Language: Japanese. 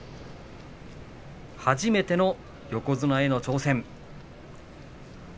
初めての横綱への挑戦。